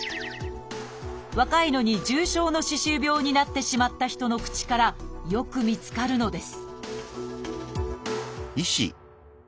若いのに重症の歯周病になってしまった人の口からよく見つかるのです